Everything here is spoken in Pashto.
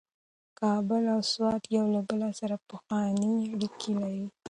کابل او سوات یو له بل سره پخوانۍ اړیکې لري.